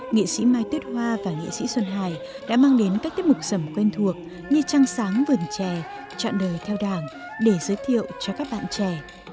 nghệ sĩ mai tuyết hoa và nghệ sĩ xuân hải đã mang đến các tiết mục sầm quen thuộc như trăng sáng vườn chè trọn đời theo đảng để giới thiệu cho các bạn trẻ